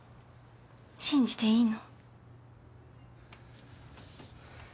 信じていいの？